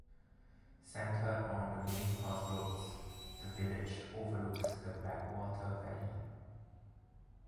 Centred on a main crossroads, the village overlooks the Blackwater Valley.